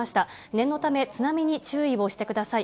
念のため、津波に注意をしてください。